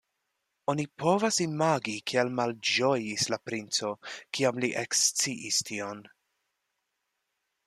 Oni povas imagi, kiel malĝojis la princo, kiam li eksciis tion.